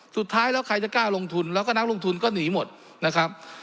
สุดท้ายแล้วใครจะกล้าลงทุนแล้วก็นักลงทุนก็หนีหมดนะครับ